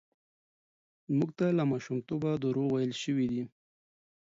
موږ ته له ماشومتوبه دروغ ويل شوي دي.